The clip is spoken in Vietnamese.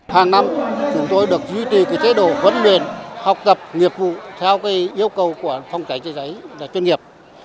hàng năm chúng tôi được duy trì cái chế độ huấn luyện học tập nghiệp vụ theo cái yêu cầu của phòng cháy trị cháy là chuyên nghiệp